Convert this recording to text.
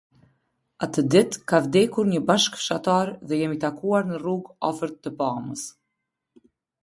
Atë ditë ka vdekur një bashkëfshatar dhe jemi takuar në rrugë afër të pamës.